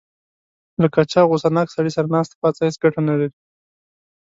له کچه او غوسه ناک سړي سره ناسته پاسته هېڅ ګټه نه لري.